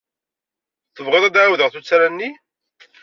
Tebɣiḍ ad d-ɛawdeɣ tuttra-nni?